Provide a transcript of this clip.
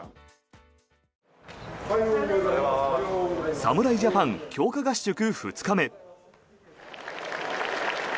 侍ジャパン強化合宿２日目。